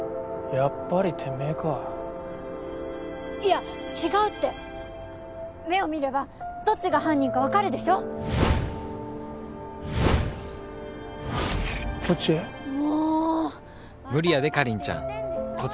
やっぱりてめぇかいや違うって目を見ればどっちが犯人か分かるでしょこっちもう！